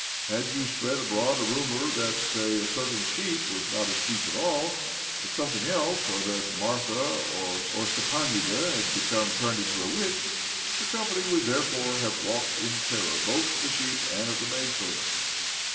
Had you spread abroad a rumour that (say) a certain sheep was not a sheep at all, but some thing else, or that Martha or Stepanida had become turned into a witch, the company would thenceforth have walked in terror both of the sheep and of the maidservant.